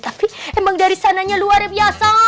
tapi emang dari sananya luar biasa